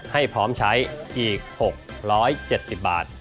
ให้พร้อมใช้อีก๖๗๐บาท